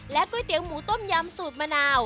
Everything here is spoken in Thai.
ก๋วยเตี๋ยวหมูต้มยำสูตรมะนาว